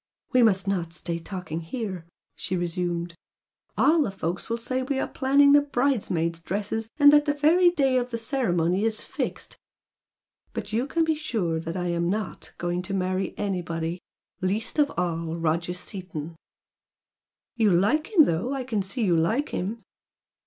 "We must not stay talking here" she resumed "All the folks will say we are planning the bridesmaids' dresses and that the very day of the ceremony is fixed! But you can be sure that I am not going to marry anybody least of all Roger Seaton!" "You like him though! I can see you like him!"